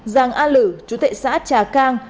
giàng a lử chú tệ xã trà cang